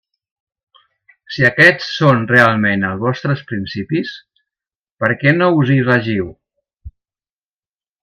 Si aquests són realment els vostres principis, ¿per què no us hi regiu?